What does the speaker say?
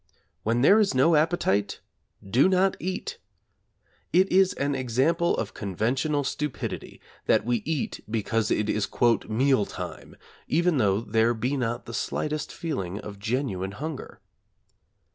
When there is no appetite do not eat. It is an example of conventional stupidity that we eat because it is 'meal time,' even though there be not the slightest feeling of genuine hunger.